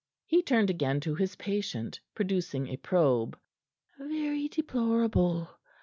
He turned again to his patient, producing a probe. "Very deplorable!"